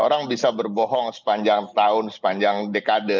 orang bisa berbohong sepanjang tahun sepanjang dekade